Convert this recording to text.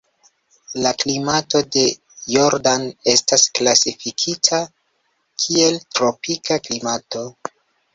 La klimato de Jordan estas klasifikita kiel tropika klimato.